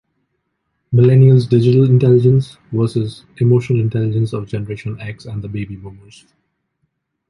Millennial's digital intelligence versus emotional intelligence of generation X and the baby boomers.